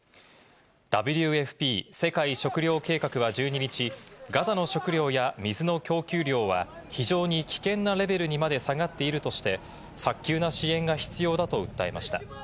ＷＦＰ＝世界食糧計画は１２日、ガザの食料や水の供給量は非常に危険なレベルにまで下がっているとして、早急な支援が必要だと訴えました。